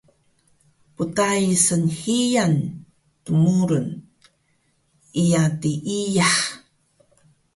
Pdai snhiyan dmurun, iya tiiyax